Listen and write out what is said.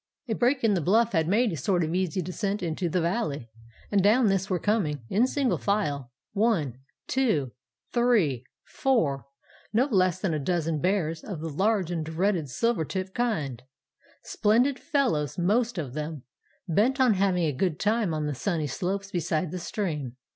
"] "A break in the bluff had made a sort of easy descent into the valley, and down this were coming, in single file, one, two, three, four—no less than a dozen bears of the large and dreaded silver tip kind; splendid fellows most of them, bent on having a good time on the sunny slopes beside the stream.